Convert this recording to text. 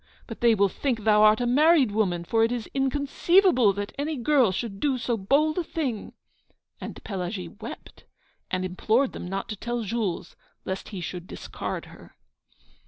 _ but they will think thou art a married woman, for it is inconceivable that any girl should do so bold a thing." And Pelagie wept, and implored them not to tell Jules, lest he should discard her.'